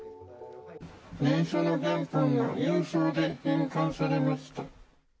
念書の原本が郵送で返還されました。